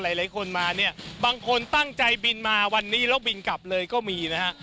หลายคนมาเนี่ยบางคนตั้งใจบินมาวันนี้แล้วบินกลับเลยก็มีนะฮะ